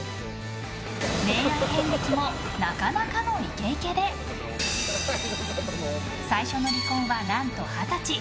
恋愛遍歴もなかなかのイケイケで最初の離婚は、何と二十歳。